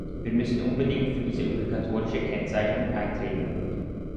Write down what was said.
Wir müssen unbedingt für diese obligatorische Kennzeichnung eintreten.